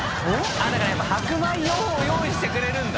あっだからやっぱり白米用を用意してくれるんだ。